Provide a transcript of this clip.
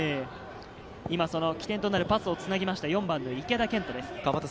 今、その起点となるパスをつなぎました、４番の池田健人です。